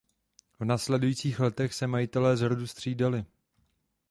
V následujících letech se majitelé z rodu střídali.